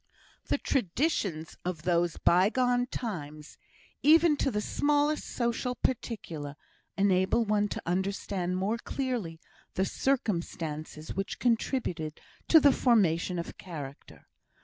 The traditions of those bygone times, even to the smallest social particular, enable one to understand more clearly the circumstances which contributed to the formation of character.